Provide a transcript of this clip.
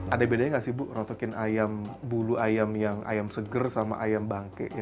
ada bedanya nggak sih bu rotokin ayam bulu ayam yang ayam seger sama ayam bangke